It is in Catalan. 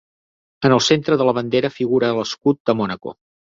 En el centre de la bandera figura l'escut de Mònaco.